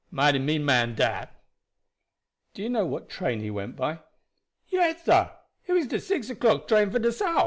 Mighty mean man dat." "Do you know what train he went by?" "Yes, sah, it was de six o'clock train for de souf."